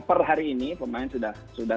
per hari ini pemain sudah